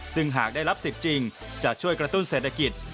ซึ่งหากได้รับสิทธิ์จริงจะช่วยกระตุ้นเศรษฐกิจ